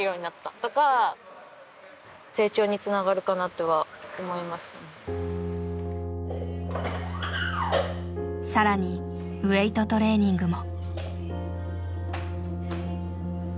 でも今は結構更にウエイトトレーニングも。